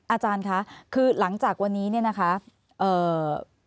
อาจารย์คะคือหลังจากวันนี้เนี่ยนะคะเอ่อ